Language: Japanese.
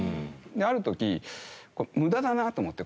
ある時無駄だなと思って。